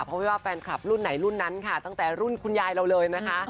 เพราะไม่ว่าแฟนคลับรุ่นไหนรุ่นนั้นค่ะตั้งแต่รุ่นคุณยายเราเลยนะคะ